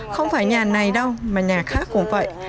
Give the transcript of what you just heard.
không phải nhà này đâu mà nhà khác cũng vậy